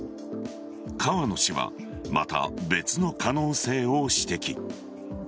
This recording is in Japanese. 河野氏はまた別の可能性を指摘。